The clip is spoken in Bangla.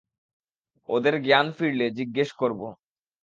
ওদের জ্ঞান ফিরলে জিজ্ঞেস করবো।